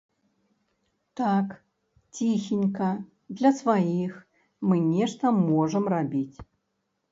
Так, ціхенька, для сваіх, мы нешта можам рабіць.